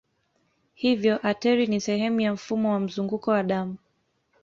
Hivyo ateri ni sehemu ya mfumo wa mzunguko wa damu.